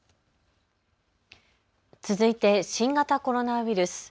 続いて新型コロナウイルス。